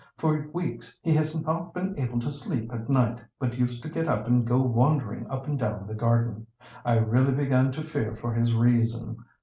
"For weeks he has not been able to sleep at night, but used to get up and go wandering up and down the garden. I really began to fear for his reason.